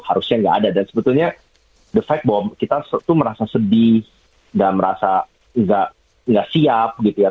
harusnya nggak ada dan sebetulnya the fact bom kita tuh merasa sedih dan merasa nggak siap gitu ya